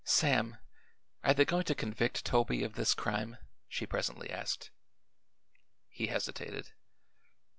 "Sam, are they going to convict Toby of this crime?" she presently asked. He hesitated.